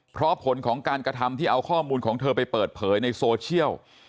เพราะผลของการกระทำที่เอาข้อมูลของเธอไปเปิดเผยในโซเชียล